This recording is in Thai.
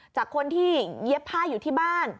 จากคนที่เย็บผ้าอยู่ที่บ้าน